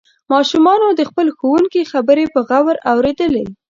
ماشومانو د خپل ښوونکي خبرې په غور اوریدلې.